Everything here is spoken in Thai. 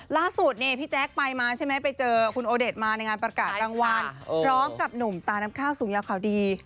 ล่าสุดนี่พี่แจ๊คไปมาใช่ไหมไปเจอคุณโอเดชมาในงานประกาศรางวัลพร้อมกับหนุ่มตาน้ำข้าวสูงยาวข่าวดี